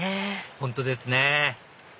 本当ですね